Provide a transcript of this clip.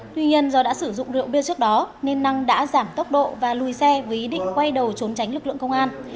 tuy nhiên do đã sử dụng rượu bia trước đó nên năng đã giảm tốc độ và lùi xe với ý định quay đầu trốn tránh lực lượng công an